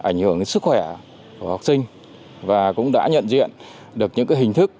những sức khỏe của học sinh và cũng đã nhận diện được những hình thức